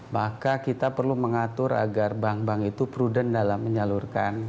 maka kita perlu mengatur agar bank bank itu prudent dalam menyalurkan